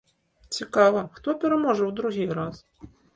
Цікава, хто пераможа ў другі раз?